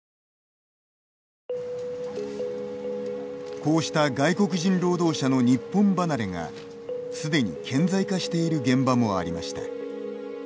こうした外国人労働者の日本離れがすでに顕在化している現場もありました。